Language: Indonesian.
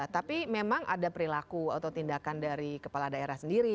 tapi memang ada perilaku atau tindakan dari kepala daerah sendiri